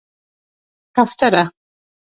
🕊 کفتره